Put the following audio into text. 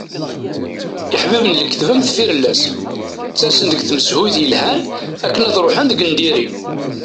Iḥbiben n lekdeb am tfirellas. Ttasen-d deg tsemhuyt yelhan akken ad ruḥen deg n diri.